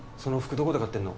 どこで買ってんの？